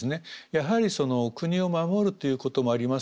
やはり国を守るということもあります